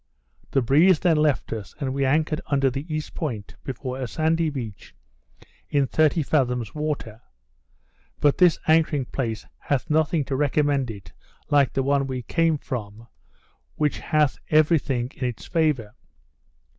The breeze then left us, and we anchored under the east point, before a sandy beach, in thirty fathoms water; but this anchoring place hath nothing to recommend it like the one we came from, which hath every thing in its favour.